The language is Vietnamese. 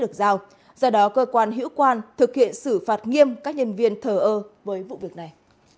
được giao do đó cơ quan hữu quan thực hiện xử phạt nghiêm các nhân viên thờ ơ với vụ việc này